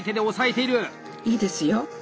いいですよ。